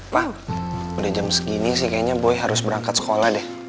pak udah jam segini sih kayaknya boy harus berangkat sekolah deh